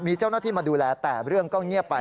มีเจ้าหน้าที่มาดูแลแต่เรื่องก็เงียบไป